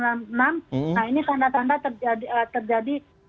nah ini tanda tanda terjadi